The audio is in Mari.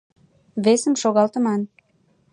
— Весым шогалтыман.